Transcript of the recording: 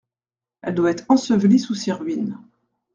«Elle doit être ensevelie sous ses ruines.